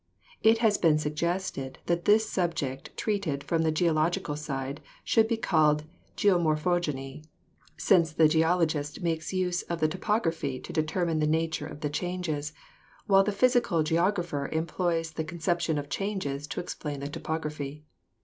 It has been suggested that this subject treated from the geological side should be called Geomorphogeny, since the geologist makes use of the topography to deter mine the nature of the changes, while the physical geogra pher employs the conception of changes to explain the topography.